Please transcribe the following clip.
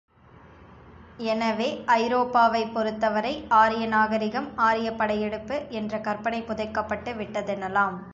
எனவே ஐரோப்பாவைப் பொறுத்தவரை ஆரிய நாகரிகம், ஆரியப்படையெடுப்பு என்ற கற்பனை புதைக்கப்பட்டு விட்டதெனலாம்.